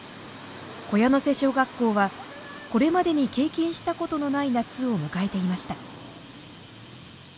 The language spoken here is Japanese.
木屋瀬小学校はこれまでに経験したことのない夏を迎えていました。